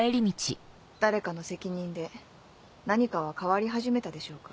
誰かの責任で何かは変わり始めたでしょうか？